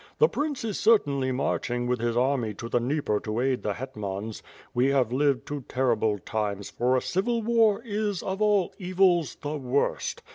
The prince is certainly marching with his army to the Dnieper to aid the hetmans. We have lived to terrible times, for a civil war is, of all evils, the worst.